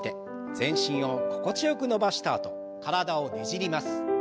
全身を心地よく伸ばしたあと体をねじります。